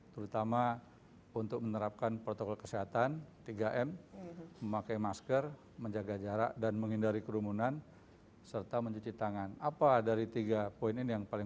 terutama untuk menerapkan protokol keseluruhan